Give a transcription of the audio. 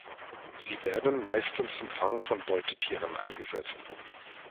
Sie werden meistens zum Fang von Beutetieren eingesetzt.